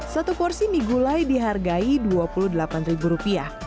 satu porsi mie gulai dihargai rp dua puluh delapan